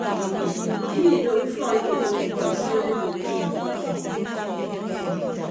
Ididooho ufọk ikoppo mkpọ esion ekop.